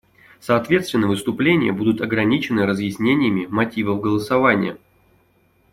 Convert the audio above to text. Соответственно, выступления будут ограничены разъяснениями мотивов голосования.